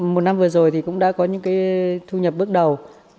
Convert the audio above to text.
một năm vừa rồi thì cũng đã có những cái thu nhập bước đầu